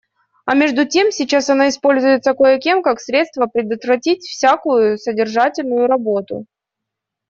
А между тем сейчас она используется кое-кем как средство предотвратить всякую содержательную работу.